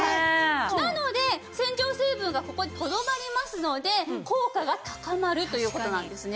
なので洗浄成分がここにとどまりますので効果が高まるという事なんですね。